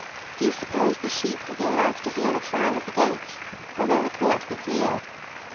Do you suppose the sheep will be allowed to hear the trial of the goats, or will the court be cleared?